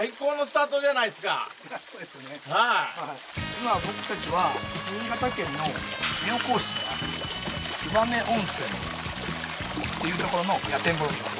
今僕たちは新潟県の妙高市にある燕温泉っていうところの野天風呂にいます。